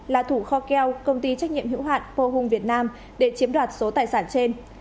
là thủ kho keo công ty trách nhiệm hữu hạn pohum việt nam để chiếm đoạt số tài sản trên